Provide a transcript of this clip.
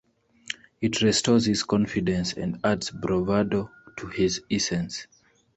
It restores his confidence and adds bravado to his essence.